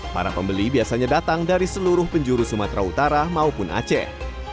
para pembeli biasanya datang dari seluruh penjuru sumatera utara maupun aceh